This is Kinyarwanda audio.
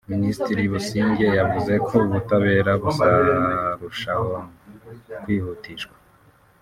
Minisitiri Busingye yavuze ko ubutabera buzarushaho kwihutishwa